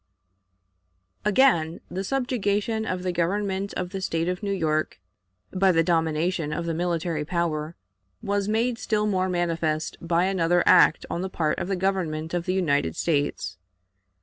Again, the subjugation of the government of the State of New York by the domination of the military power was made still more manifest by another act on the part of the Government of the United States.